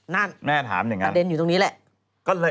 นั่นประเด็นอยู่ตรงนี้แหละแม่ถามอย่างนั้น